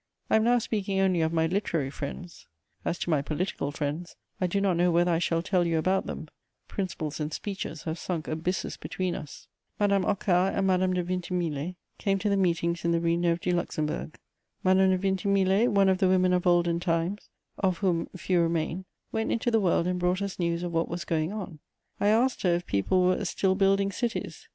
I am now speaking only of my literary friends; as to my political friends, I do not know whether I shall tell you about them: principles and speeches have sunk abysses between us! Madame Hocquart and Madame de Vintimille came to the meetings in the Rue Neuve du Luxembourg. Madame de Vintimille, one of the women of olden time, of whom few remain, went into the world and brought us news of what was going on: I asked her if people were "still building cities."